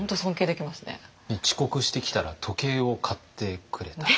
遅刻してきたら時計を買ってくれた。